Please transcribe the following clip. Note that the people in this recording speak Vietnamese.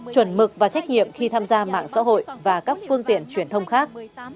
chuẩn mực và trách nhiệm khi tham gia mạng xã hội và các phương tiện truyền thông khác